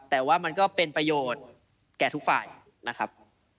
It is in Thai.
แต่ว่ามันก็เป็นประโยชน์แก่ทุกฝ่ายนะครับ